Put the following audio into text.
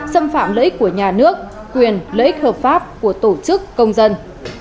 xâm phạm lợi ích của nhà nước quyền lợi ích hợp pháp của tổ chức công dân